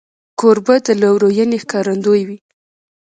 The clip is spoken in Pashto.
کوربه د لورینې ښکارندوی وي.